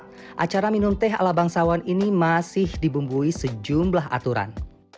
di meja aristokrat acara minum teh ala bangsawan ini masih dibumbui sejumlah aturan